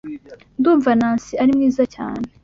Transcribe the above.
Ndumva Nancy ari mwiza cyane.